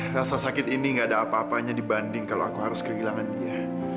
rasa sakit ini gak ada apa apanya dibanding kalau aku harus kehilangan dia